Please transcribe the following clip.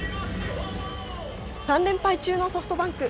３連敗中のソフトバンク。